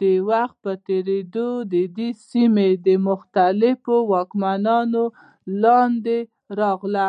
د وخت په تېرېدو دا سیمه د مختلفو واکمنیو لاندې راغله.